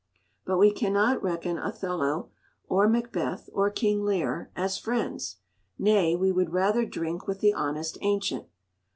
But we cannot reckon Othello, or Macbeth, or King Lear as friends; nay, we would rather drink with the honest ancient.